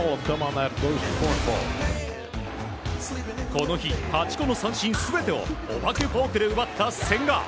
この日８個の三振全てをお化けフォークで奪った千賀。